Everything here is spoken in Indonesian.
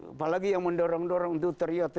apalagi yang mendorong dorong untuk teriak